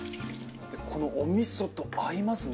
「このおみそと合いますね」